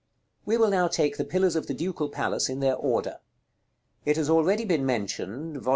§ LXV. We will now take the pillars of the Ducal Palace in their order. It has already been mentioned (Vol.